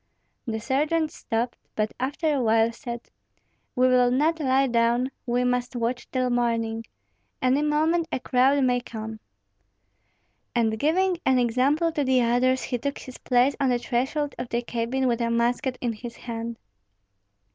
The sergeant stopped, but after a while said, "We will not lie down; we must watch till morning. Any moment a crowd may come." And giving an example to the others, he took his place on the threshold of the cabin with a musket in his hand.